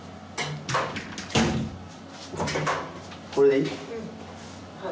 これでいい？